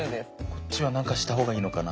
こっちは何かしたほうがいいのかな？